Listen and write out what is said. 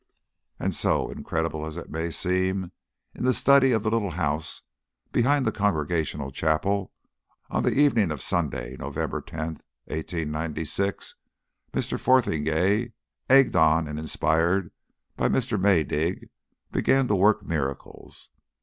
And so, incredible as it may seem, in the study of the little house behind the Congregational Chapel, on the evening of Sunday, Nov. 10, 1896, Mr. Fotheringay, egged on and inspired by Mr. Maydig, began to work miracles.